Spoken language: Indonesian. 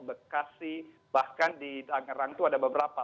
di depok bekasi bahkan di tangerang itu ada beberapa